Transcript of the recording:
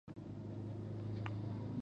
البته په دغه ټولو روایتونو باندې